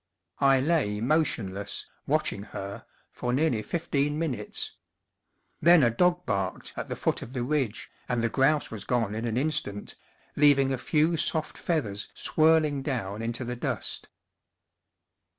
I lay motionless, watch ing her, for nearly fifteen minutes. Then a dog barked at the foot of the ridge, and the grouse was gone in an instant, leaving a few soft feathers swirling down into the dust.